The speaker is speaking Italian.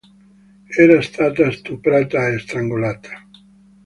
Era stata stuprata e strangolata.